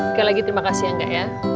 sekali lagi terima kasih ya kak